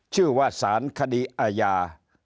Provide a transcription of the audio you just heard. ชื่อว่าสารคดีอาญา